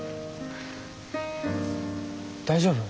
大丈夫？